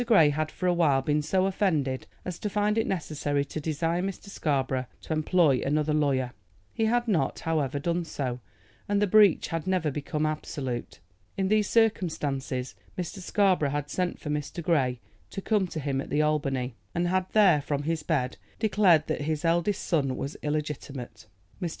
Grey had for a while been so offended as to find it necessary to desire Mr. Scarborough to employ another lawyer. He had not, however, done so, and the breach had never become absolute. In these circumstances Mr. Scarborough had sent for Mr. Grey to come to him at the Albany, and had there, from his bed, declared that his eldest son was illegitimate. Mr.